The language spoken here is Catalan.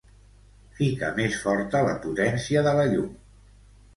Fica més forta la potència de la llum.